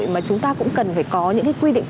mà chúng ta cũng cần phải có những cái quy định